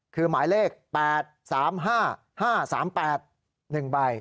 คือหมายเลข๘๓๕๕๓๘หนึ่งใบ